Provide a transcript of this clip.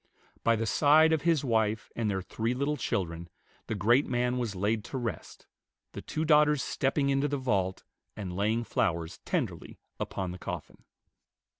By the side of his wife and their three little children the great man was laid to rest, the two daughters stepping into the vault, and laying flowers tenderly upon the coffin.